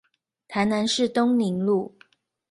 台南市東寧路